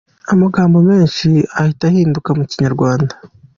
Amagambo menshi ahita ahinduka mu kinyarwanda.